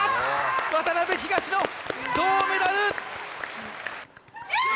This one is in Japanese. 渡辺・東野、銅メダル。